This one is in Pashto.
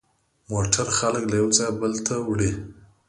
موټر خلک له یوه ځایه بل ته وړي.